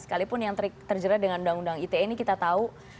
sekalipun yang terjerat dengan undang undang ite ini kita tahu